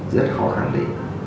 rất khó khẳng định